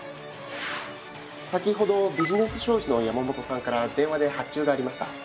先ほどビジネス商事の山本さんから電話で発注がありました。